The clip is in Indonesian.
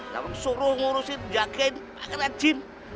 kamu suruh ngurusin jagain pangeran jin